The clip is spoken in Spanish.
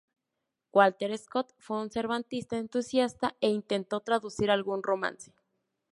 Walter Scott fue un cervantista entusiasta e intentó traducir algún romance.